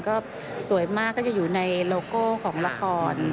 ก็สวยมากก็จะอยู่ในโลโก้ของละคร